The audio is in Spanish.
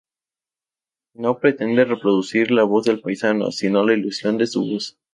No pretende reproducir la voz del paisano, sino la ilusión de su voz.